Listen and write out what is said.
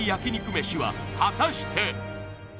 めしは果たして？